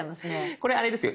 これあれですよ